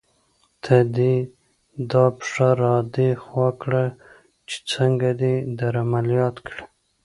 ته دې دا پښه را دې خوا کړه چې څنګه دې در عملیات کړې.